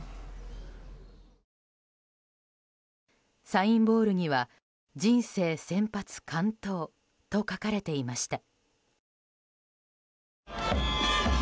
サインボールには「人生先発完投」と書かれていました。